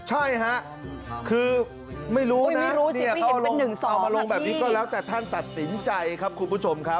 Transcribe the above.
ใช่ฮะคือไม่รู้นะเขาเอามาลงแบบนี้ก็แล้วแต่ท่านตัดสินใจครับคุณผู้ชมครับ